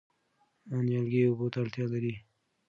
نیالګي اوبو ته اړتیا لري.